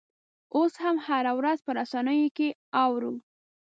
اوس هم هره ورځ په رسنیو کې اورو.